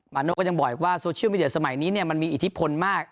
โน่ก็ยังบอกอีกว่าโซเชียลมีเดียสมัยนี้มันมีอิทธิพลมาก